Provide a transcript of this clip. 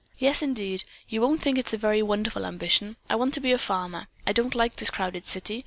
"Yes, indeed. You won't think it a very wonderful ambition. I want to be a farmer. I don't like this crowded city.